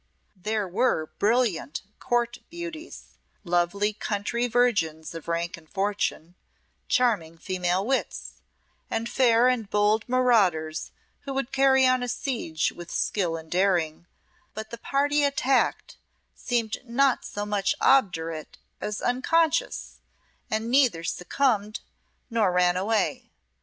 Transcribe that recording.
There were brilliant Court beauties lovely country virgins of rank and fortune charming female wits, and fair and bold marauders who would carry on a siege with skill and daring; but the party attacked seemed not so much obdurate as unconscious, and neither succumbed nor ran away.